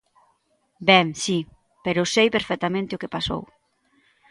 Ben, si, pero sei perfectamente o que pasou.